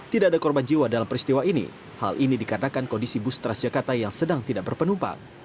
tidak ada korban jiwa dalam peristiwa ini hal ini dikarenakan kondisi bus transjakarta yang sedang tidak berpenumpang